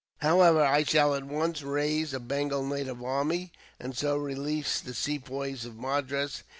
"However, I shall at once raise a Bengal native army, and so release the Sepoys of Madras.